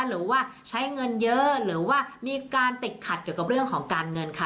หรือว่าใช้เงินเยอะหรือว่ามีการติดขัดเกี่ยวกับเรื่องของการเงินค่ะ